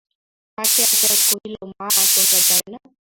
মাকে আসিয়া কহিল, মা, তোমরা যাবে না?